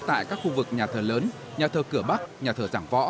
tại các khu vực nhà thờ lớn nhà thờ cửa bắc nhà thờ giảng võ